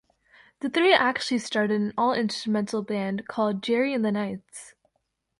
The three actually started an all-instrumental band called "Jerry and the Knights".